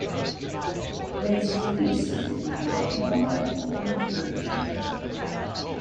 Link's previous series included "Columbo" and "Murder, She Wrote".